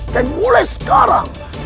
dan mulai sekarang